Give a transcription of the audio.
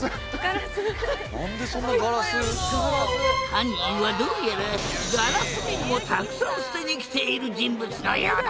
犯人はどうやらガラス瓶もたくさん捨てに来ている人物のようだ！